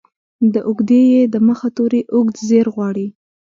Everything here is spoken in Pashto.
د اوږدې ې د مخه توری اوږدزير غواړي.